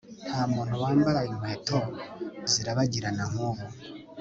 ntamuntu wambara inkweto zirabagirana nkubu